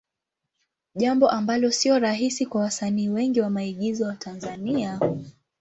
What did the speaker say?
Jambo ambalo sio rahisi kwa wasanii wengi wa maigizo wa Tanzania.